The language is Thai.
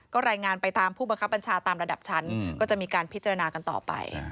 ก็รายงานไปตามผู้บังคับบัญชาตามระดับชั้นก็จะมีการพิจารณากันต่อไป